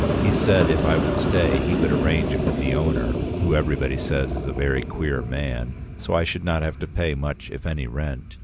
He said if I would stay he would arrange it with the owner, who everybody says is a very queer man, so I should not have to pay much if any rent.